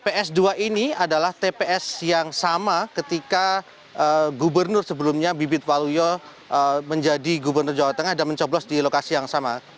ps dua ini adalah tps yang sama ketika gubernur sebelumnya bibit waluyo menjadi gubernur jawa tengah dan mencoblos di lokasi yang sama